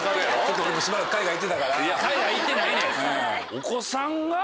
お子さんが？